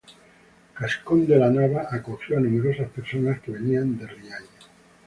Cascón de la Nava acogió a numerosas personas que venían de Riaño.